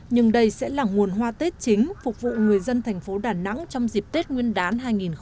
nhưng đây sẽ là nguồn hoa tết chính phục vụ người dân thành phố đà nẵng trong dịp tết nguyên đán hai nghìn hai mươi